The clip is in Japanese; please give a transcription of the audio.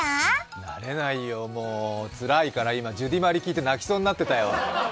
慣れないよ、もうつらいから、今、ジュディマリ聴いて、泣きそうになってたよ。